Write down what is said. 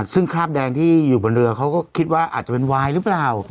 ซึ่งคราบแดงที่อยู่บนเรือเขาก็คิดว่าอาจจะเป็นวายหรือเปล่า